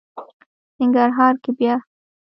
ننګرهار کې بیا...